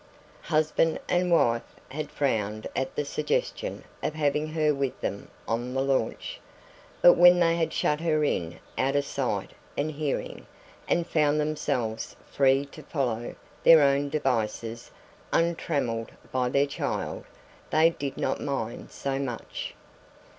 Husband and wife had frowned at the suggestion of having her with them on the launch, but when they had shut her in out of sight and hearing, and found themselves free to follow their own devices untrammelled by their child, they did not mind so much.